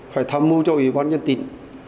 phải tham mưu cho ủy ban nhân tỉnh